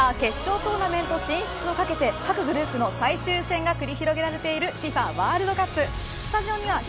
さあ決勝トーナメント進出をかけて各グループの最終戦が繰り広げられているＦＩＦＡワールドカップ。